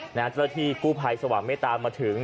เจ้าของคนกูไพลย์สว่างเมตตามี้มาถึง